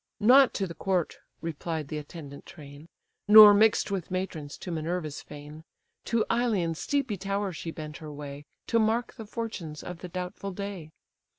"Not to the court, (replied the attendant train,) Nor mix'd with matrons to Minerva's fane: To Ilion's steepy tower she bent her way, To mark the fortunes of the doubtful day.